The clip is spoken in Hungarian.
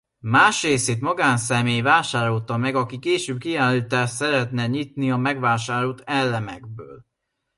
Más részét magánszemély vásárolta meg aki később kiállítást szeretne nyitni a megvásárolt elemekből.